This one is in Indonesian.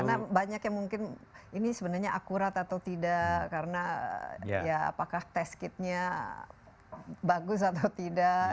karena banyak yang mungkin ini sebenarnya akurat atau tidak karena ya apakah test kitnya bagus atau tidak